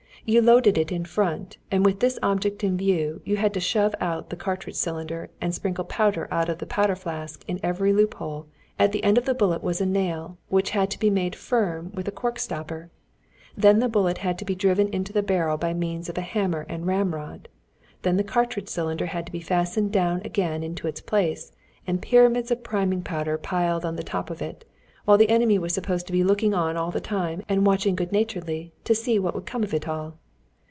You loaded it in front, and with this object in view, you had to shove out the cartridge cylinder and sprinkle powder out of the powder flask in every loop hole; at the end of the bullet was a nail, which had to be made firm with a cork stopper, then the bullet had to be driven into the barrel by means of a hammer and ramrod, then the cartridge cylinder had to be fastened down again into its place, and pyramids of priming powder piled on the top of it while the enemy was supposed to be looking on all the time and watching good naturedly to see what would come of it all.